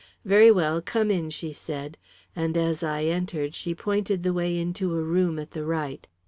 "Very well; come in," she said, and as I entered, she pointed the way into a room at the right.